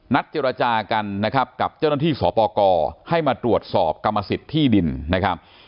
เจรจากันนะครับกับเจ้าหน้าที่สปกรให้มาตรวจสอบกรรมสิทธิ์ที่ดินนะครับ